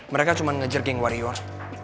mereka cuman ngejer geng warior